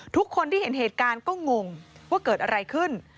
ทุกคนที่เห็นเหตุการณ์ก็งงว่าเกิดอะไรขึ้น